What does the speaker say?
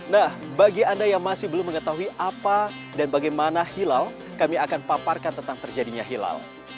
nah bagi anda yang masih belum mengetahui apa dan bagaimana hilal kami akan paparkan tentang terjadinya hilal